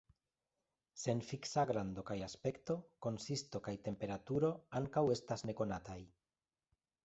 Sen fiksa grando kaj aspekto, konsisto kaj temperaturo ankaŭ estas nekonataj.